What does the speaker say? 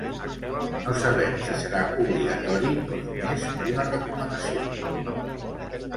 No sabem si serà obligatori o només una recomanació.